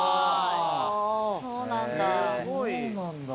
そうなんだ。